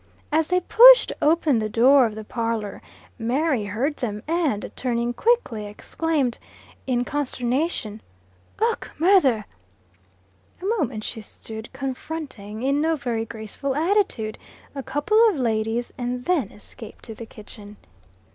As they pushed open the door of the parlor, Mary heard them, and, turning quickly, exclaimed, in consternation "Och, murther!" A moment she stood, confronting, in no very graceful attitude, a couple of ladies, and then escaped to the kitchen.